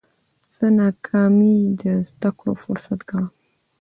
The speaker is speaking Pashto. زه ناکامي د زده کړي فرصت ګڼم.